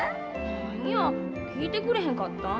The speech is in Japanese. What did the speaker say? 何や聞いてくれへんかったん？